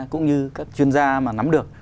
cũng như các chuyên gia mà nắm được